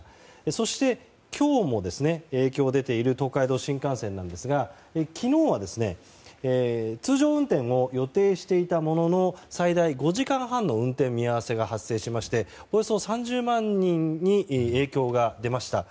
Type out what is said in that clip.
そして、今日も影響が出ている東海道新幹線なんですが昨日は通常運転を予定していたものの最大５時間半の運転見合わせが発生しましておよそ３０万人に影響が出ました。